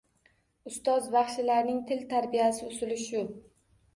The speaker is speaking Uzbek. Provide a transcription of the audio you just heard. Ustoz baxshilarning til tarbiyasi usuli shu.